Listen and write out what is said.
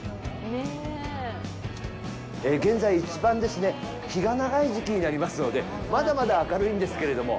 現在、一番日が長い時期になりますので、まだまだ明るいんですけれども。